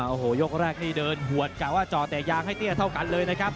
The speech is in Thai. โอ้โหยกแรกนี่เดินหวดกะว่าจ่อแต่ยางให้เตี้ยเท่ากันเลยนะครับ